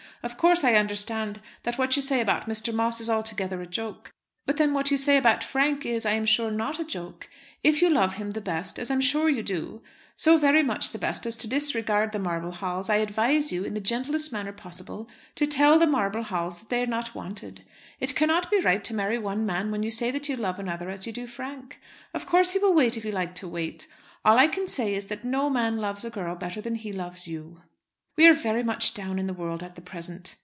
Of course I understand that what you say about Mr. Moss is altogether a joke. But then what you say about Frank is, I am sure, not a joke. If you love him the best, as I am sure you do so very much the best as to disregard the marble halls I advise you, in the gentlest manner possible, to tell the marble halls that they are not wanted. It cannot be right to marry one man when you say that you love another as you do Frank. Of course he will wait if you like to wait. All I can say is, that no man loves a girl better than he loves you. We are very much down in the world at the present.